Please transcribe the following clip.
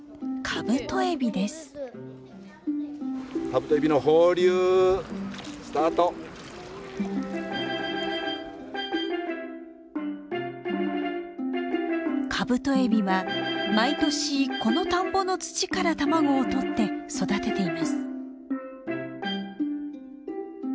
カブトエビは毎年この田んぼの土から卵を取って育てています。